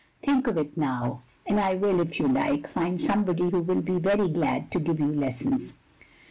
"Think of it now; and I will, if you like, find somebody who will be very glad to give you lessons.